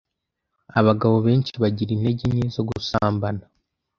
Abagabo benshi bagira intege nke zo gusambana